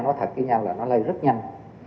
nói thật với nhau là nó lây rất nhanh